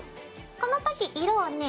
この時色をね